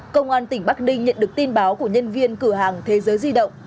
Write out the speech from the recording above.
công an tỉnh bắc ninh nhận được tin báo của nhân viên cửa hàng thế giới di động